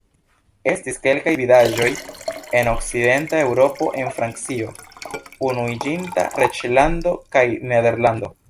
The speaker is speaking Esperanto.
Estis kelkaj vidaĵoj en Okcidenta Eŭropo el Francio, Unuiĝinta Reĝlando kaj Nederlando.